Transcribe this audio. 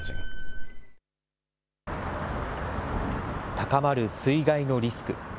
高まる水害のリスク。